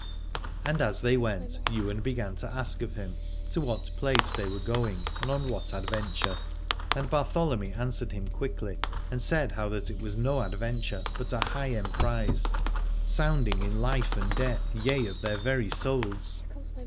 And as they went Ywain began to ask of him to what place they were going and on 146 Aladore what adventure. And Bartholomy answered him quickly and said how that it was no adventure but a high emprise, sounding in life and death, yea, of ^heir very souls.